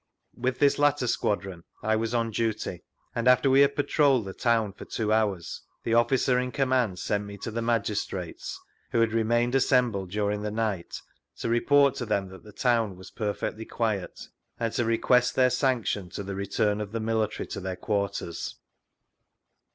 With this latter squadron I was on duty, and after we had patrolled the town for two hours, the officer in command sent me to the magistrates (who had remained assembled during the night) to report to them that the town was perfectly quiet, and to request their sanction to the return of the military to their quarters.